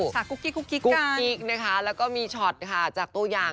กุ๊กกิ๊กกุ๊กกิ๊กกักกิ๊กนะคะแล้วก็มีช็อตค่ะจากตัวอย่าง